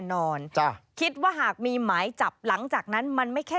นอนจ้ะคิดว่าหากมีหมายจับหลังจากนั้นมันไม่แค่